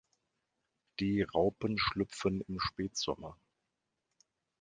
Die Raupen schlüpfen im Spätsommer.